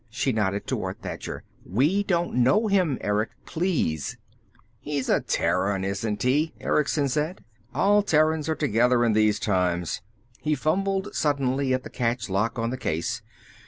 She nodded toward Thacher. "We don't know him, Erick. Please!" "He's a Terran, isn't he?" Erickson said. "All Terrans are together in these times." He fumbled suddenly at the catch lock on the case.